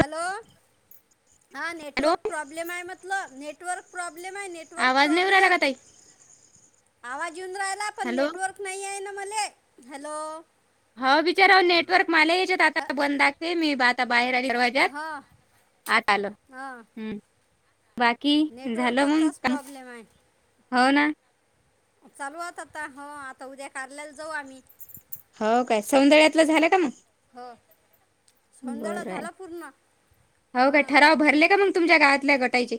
Hello हा hello network problem आहे म्हटलं न. व प्रबले आवाज नाही येऊ राहिला का ताई आऊ प हॅलो नव [unintelligible] मले हॅलो. हो बिचारा नेटवर्क मला या्याच्यात ह आता बंद राखते मी ब [unintelligible] बाहेर आली दरवाजात हा आत आलो ‌. हा बाकी झालं नेटवर्कचाच मग प्रॉब्लेम आहे हो ना. चालू आत आता हो आता उद्या कारल्याला जाऊ आम्ही. हो काय सौंदर्यातलं झालं का मग. ब बरं आहे हो हा काय ठराव भरले का मग. तुमच्या गवातल्या गटायचे.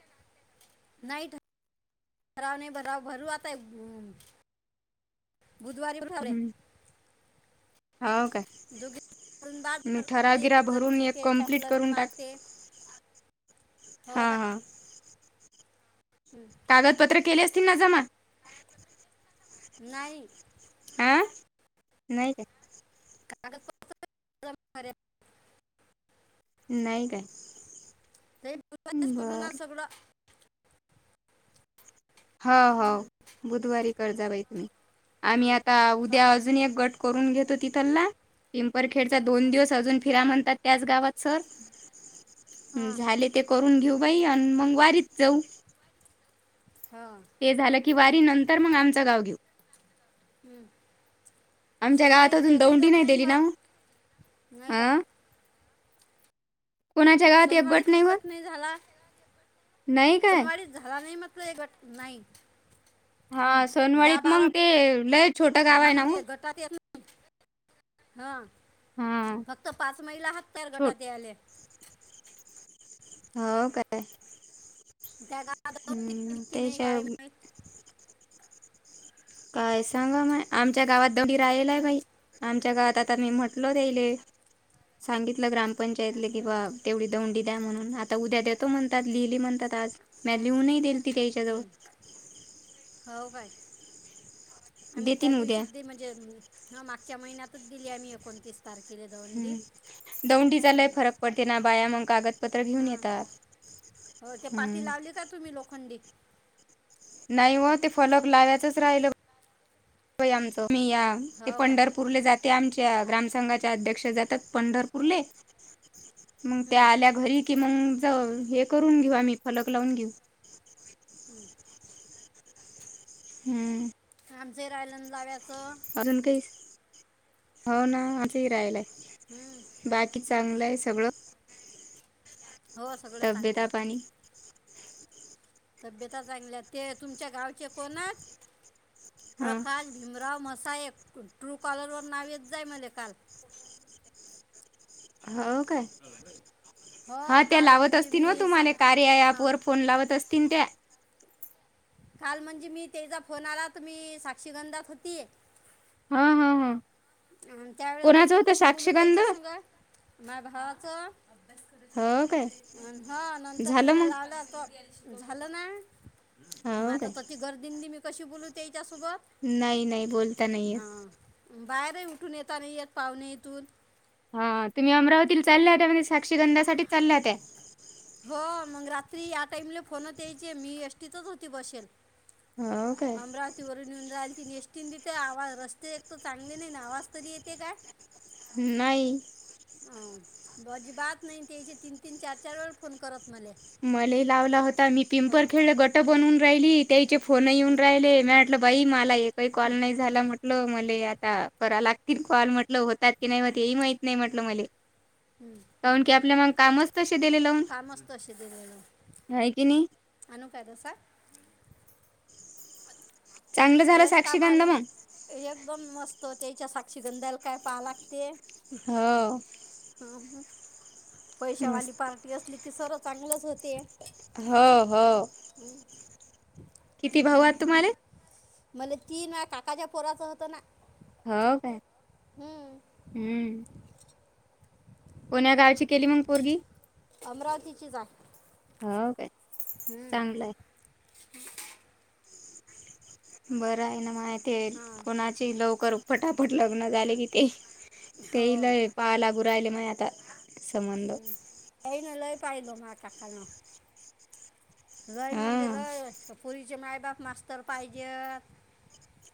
नाही भराव नाही भराव भरू आता. बुधवारी उठवले. हम्म. हो काय. ूनबाद मी ठराव बवते गिरा एक भरून जणली एक टे कम्प्लीट सटॅपलन करून टाक मारते हो हा काय हा. हं. कागदपत्र केले असतील ना जमा. नाही. आह नाही काय. कागद पत्र नाहीय का. नाहीच कर ना सगळं. हो हो बुधवारी कर जाव इ तुी आम्ही हां आता उद्या हां अजून एक गट करून घेतो तिथला. पिंपरखेडचा दोन दिवस अजून फिरा म्हणतात. त्याच गावात सर हां झाले ते करून घेऊ. भाई आणि मंगवारीच जाऊ. हां ते झालं की वारी नंतर मग आमचं गाव घेऊ. हम्म. आमच्या गावात अजून दौंडी नाही दिली ना नाही का अं एक सोनवारी गट होत एककट नाही झाला नाही काय सोनवारी झाला नाही म. पडे घट नाहीई हा सोनवळीत मग ते लयच. मंद ग ते हा हा [unintelligible] फक्त पाच महिला हत्यार छोट गटात आल्या. हो काय. त्या गावात जाऊन दिली ह की नाही त्याच्या. काय माहीत काय सांगा मग आमच्या गावात दडी राहिलय बाई आमच्या गावात. आता मी म्हटल त्याले सांगितलं ग्रामपंचायतले हं, किंवा तेवढी दौंडी. ्या म्हणून आता उद्या द्या तो म्हणात लिहिली म्हणतातज म लिहूनहीे. तिरच्यातव. हं. हो काय आम्ही त्या देतीन उद्या दिवशी म्हणजे मागच्या महिन्यातच दिली आम्ही एकोणतीस. तारखेला दवंडी हम्म दौंडीचालाय फरक पडते ना बाया मग कागद. पत्र घेऊन हां येतात. हो ते पाठी लावली का तुम्ही लोखंडी नाही व ते फलक लावयचच राहिलं आमचं. मी या ते हो काय पंढरपूरले जाते आमच्या. च्या ग्रामसंघाच्या अध्यक्ष जातात पंढरपूरले. मग त्या हं. आल्या घरी कि मग हे करून घेऊ आम्ही फलक लावून घेऊ. हम्म. हम्म. आम ज राहिल्यांद जाव्यात. अजून काही हो ना माझंही राहिलाय. हं. बाकी चांगलंय सगळं. हो सगळं चांगलं तब्येता आहे. पाणी तब्यता चांगल्या ते तुमच्या गावचे कोणात. हा प्रकाश भीमराव म. अस एक ट्रू कॉलर वर नावेत जाय मला काल. होा काय. हो हा त्या काल लावत म्हणजे असतील व मी सा तुम्हाला कार्याप हां वर फोन लावत असतील त्या. काल म्हणजे मी तेचा फोन आला त मी साक्षीगंधात होती. हम् हम् हम. आणि त्या वळेस तर तू कशी बोलूत त्यांच्या संगत माझ्या भावाचं. हो काय [inaudible] हा झालं नंतरन मग लावला. झालं ना मग हो आता काय तची गर्दी मी कशी बोलूते. नाही नाही बोलता नाही येत. हां बाहेरही उठून येता नाई येत पाहुणे इथून. हा तुम्ही अमरावती चालल्यात म्हणजे साक्षी गंधासाठीच चालल्यात्या. हो मग रात्री या टाईमला फोनत यायचे मी एसटीतच होती बसेल. हो काय अमरावती [unintelligible] एस्टीन तिथे आवाज रस्ते एक तर चांगले नाही ना आवाज तरी येते काय. नाही. अ बाजी बात नाही त्याचे तीन तीन, चार चार वेळ फोन करत. मला मले लावला होता मी हो पिंपर खेळला गट बनवून राहिली. त्याचे फोन येऊन हं, राहिले मी म्हटलं बाई मला हे काही कॉल नाही झाला म्हटलं मला यात. करा लागतील कॉल म्हटलं होतात की नाही म हे माहित नाही म्हटलं मले. हं. कारण की आपल्या माग कामच तसे दिले लंवून. कामच तसे दिलेलं हाय की नाही. [unintelligible] चांगलं झालं वस साक्षीगंध कामाले मग ना एकदम मस्त होत. त्याच्या साक्षीगंधाला काय पाहा लागते. हो. ह पैशावाली मस्त पार्टी असली की सर्व चांगलंच होते. हो हो. हम्. किती भाऊ आहात तुम्हाला. मला ती ना काकाच्या पोराच होतं ना. हो काय हम्म हम्म. कोण्या गावची केली मग पोरगी. अमरावतीचीच हाय. हो काय चांगलंय. बरं आहे ना माहितीये हा कोणाची लवकर फटाफट लग्न झाले कि ते, ते हो लय पाय लागू राहिले मय आता संबंध त्याईनं लय पहिलो [unintelligible] लय हा म्हणजे लय पुरीचे मायबाप मास्तर पाहिजेत.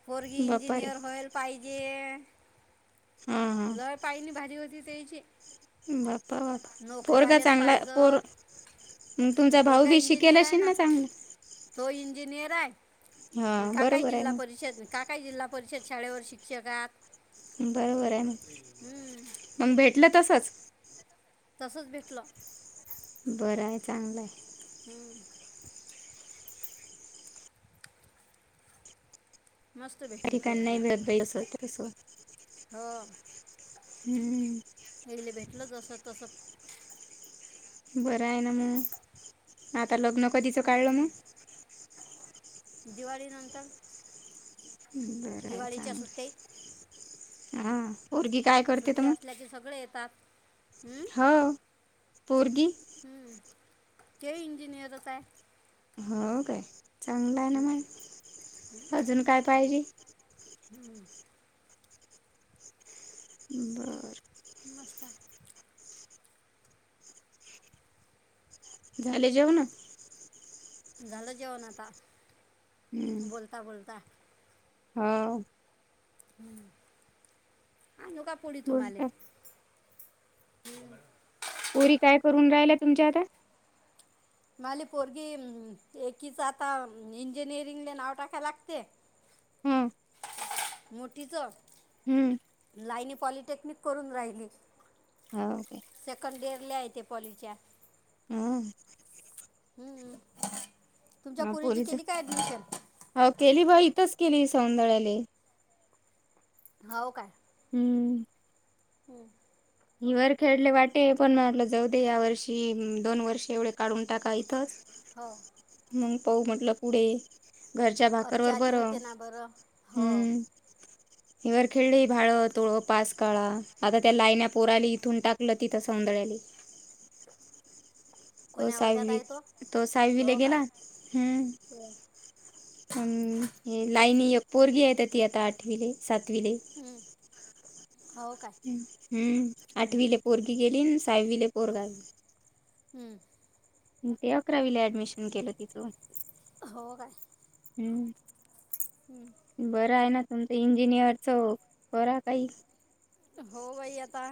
पोरगी बाप्पा रे इंजिनियर होईल पाहिजे. हा हा लय पायणी भारी होती त्यांची बाप्पा बा पोरगा चांगला पोर पाहिजेत मग तुमचा भाऊ पोरगा बी शिकेल इंजिनियर आहे असेल ना? चांगलं तो इंजिनियर हा काय काकाय बरोबर आहे जिल्हा परिषद, काकाय जिल्हा परिषद शाळेवर शिक्षक आहेत. बरोबर आहे म, मग भेटलं तसच तसच भेटलं. बरं आहे चांगलंय हम. मस्त भेटली पोरगी [unintelligible] हो हम्म. यायले भेटलं जसं तसं [unintelligible] बरं आहे ना मग, आता लग्न कधीच काढलं मग? दिवाळी नंतर बरं आहे चांगलाय, हा पोरगी काय करते त मग? सात हा. हम्म ते इंजिनियरच आहे. हो काय चांगलं आहे ना मग, अजून काय पाहिजे [inaudible] बर. चाले झाले जेवनं झालं जेवण आता बोलता बोलता हम्म. आणु काय पोळी तुम्हाले? बोलता पोरी काय करून राहिल्या तुमच्या आता? मली पोरगी एकीच आता इंजिनिअरिंग ला नाव टाकायला लागते. हम्म. मोठीच? हम्म. लाईनी पॉलिटेक्निक करून राहिली हा ओके. ल्या तेे पॉलीच्या हम्म. हम्मम. हा पोरीच हो केली बा इथच केली सौंदळ्याले हो काय? हम्म. हम्म. हिवरखेडला वाटे पण मि म्हणलं जाऊ दे या वर्षी, दोन वर्ष एवढे काढून टाका इथंच हो. मग पाऊ म्हटलं पुढे घरच्या भाकरवर अच्छा ती बरं, होते ना बरं हो हम्म. हिर खेळली भाळं तोळं पास काळा आता त्या लाईन प - - पोराली इथून टाकलं तिथं सौंदळ्याली तो कोण्या वर्गात आहे साहवित तो साहेबवीला हो गेला. काय हम्. हो. अम् हे लाईनी पोरगी येत ती आता आठवीले सात - हं, हो काय - आठवीले पोरगी गेली. अ - - साविले पोरगा [unintelligible] हम्म. ते अकरावीला ऍडमिशन केलं तिच. हो काय. हम्म. हं, बरं हाय ना. तुमच इंजिनिअर च बरा काही हो भाई आता.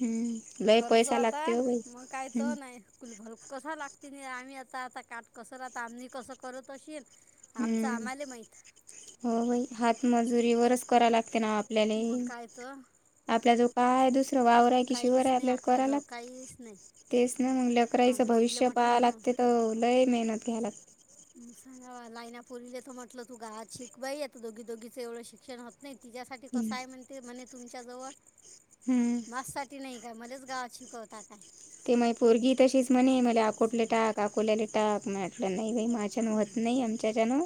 हम्म लय खर्च पैसा आता लागते हो बाई मग काही त हम्म नाही कुल भर कसा ला - - तिने आम्ही आता आता काठ कसंर आम्ही कसं करूत तशी हम्म. हो बाई हा. मजुरी हं, वरच करा लागते ना आपल्याला मग काय तर आपला जो काय दुस त वावरराय की काहीच शिवराय नाही आपल्याला करायला. आपल्याजवळ काहीच नाही तेच ना मग हं, लकराईचं पोरीला भविष्य म्हटलं पाहा लागते तर लय मेहनत घ्याय लाग - - सांगा लाईना पुरली तर म्हटलं तु ग आज शिकय आता दोघी दोघीचं एवढं शिक्षण होत नाहीत. तिच्यासाठी कसं आहे लागते म्हणते म्हणे तुमच्याजवळ हम्म मास्साठी नाही का? मलाच गावात शिकवता काय? ते मग पोरगी तशीच म्हणे म अकोटले टाक सांगावा अकोल्याले टाक म आटलं नाही बाई म - - माच्या हं, होत नाही आमच्यान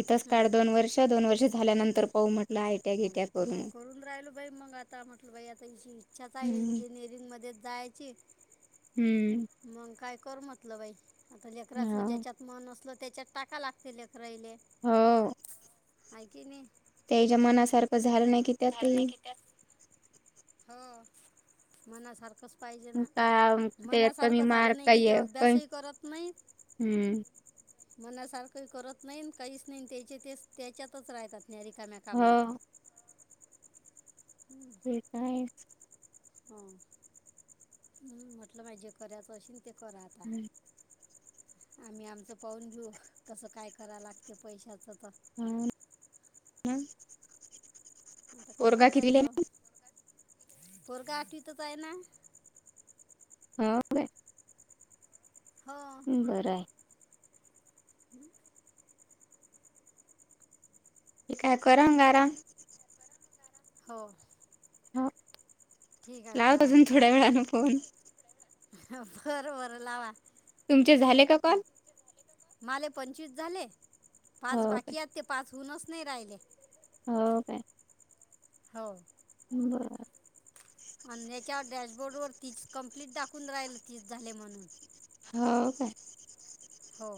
इथच काळ हं. दोन वर्ष दोन वर्ष झाल्यानंतर पाऊ म्हट मग आता काय करून राहिल बाई मग आता म्हटलं बाई आता ह इच्छाच आहे हम्म इंजिनिअरिंग मध्ये जायची हम्म मग काय कर म्हटलं बाई - - आता लेकराच हा ज्याच्यात मन असल त्याच्यात टाका लागते ले कराहिले. हो ऐ की नाही. तरखं झालं नाही की त्यातही मनासारखं - - पाहिजे ना. का त्याच्यात कमी मनासारखं झालं मार्क नाही कि काही ते आहे पण अभ्यासही करत नाही. हम्म. मनासारखंही करत नाही. काहीच नाही. त्याचे ते त्याच्यातच राहतात. नरिकाम्या का माहीत. हो ते काय? ह म्हटलं माहिजे करायच अशी. ते करा आता. आम्ही आमचं पाहून घेऊ कसं काय कराव लागते पैशाच हम. आता करून राहिल. पोरग आठवितं चं आहे ना. बापरे! हो बरं हाय. हम्म ठीक आहेय कर गाराम. हो. ठीक आहे लावत अजून थोड्या वेळान फोन. बर बर लावा. तुमचे झाले का कॉल? माले पंचवीस झाले पाच हो काय बाकी आहेत ते पाचहूनच नाही राहिले. हो काय? हो [inaudible] बर [unintelligible] अन्याच्या डॅशबोर्डवरतीच कंप्लीट दाकून राहिल तीस झाले म्हणून [inaudible] हो काय? [inaudible] हो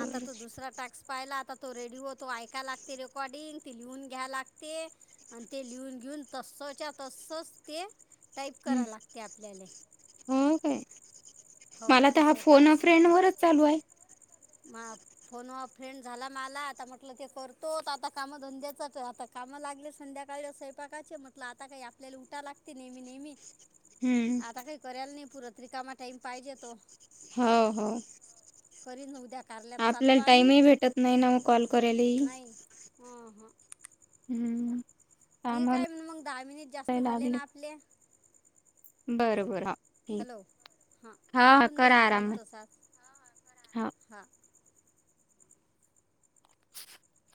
[inaudible] आता तो दुसरा टाक्स पाहिला तो आता‌ रेडिओ तो ऐकाय लागते रेकॉर्डिंग ते लिहून घ्या लागते आणि लिहून लिहून तसच्या तसंच ते टाईप हम्म करा लागते आपल्याला [inaudible] हो काय हो [inaudible] मला तर हा तिसरा फोन अ फ्रेंड वरच चालू आहे म फोन अ फ्रेंड झाला मला आता म्हटलं ते करतो आता काम धंद्याचच आता कामं लागले संध्याकाळी स्वयपाकाचे म्हटलं आता काही आपल्याला उटा लागते नेहमी -नेहमी हम्म आता काही कराले नाही पुरत रिकामा टाईम पाहिजे तो हा-हो करीन उद्या [inaudible] कारल्यात चाललो आपल्याला आम्ही टाईमही भेटत नाही ना मग कॉल करायलेही नाही [inaudible] हं, हं. हम्म ठीक कामाला आहे म्हण मग दहा मिनिट जास्त कराय झाले ना आपले बरोबर हां हॅलो हा कठून करा जाईन फोन आराम तसा हा [inaudible] [inaudible]